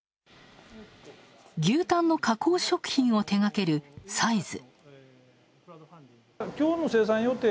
牛タンの加工食品を手がける菜’Ｓ。